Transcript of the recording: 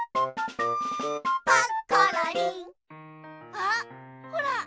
あっほら！